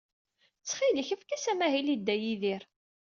Ttxil-k, efk-as amahil i Dda Yidir.